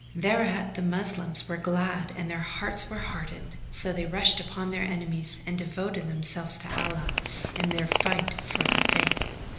Thereat the Moslems were glad and their hearts were heartened; so they rushed upon their enemies and devoted themselves to Allah in their Fight for the Faith.